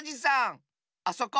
あそこ。